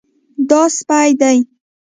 دا سپی دی